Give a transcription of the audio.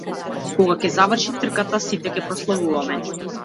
Кога ќе заврши трката сите ќе прославуваме.